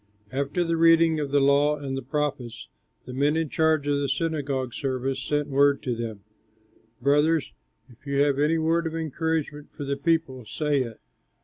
After the reading of the law and the prophets the men in charge of the synagogue service sent word to them, "Brothers, if you have any word of encouragement for the people, say it."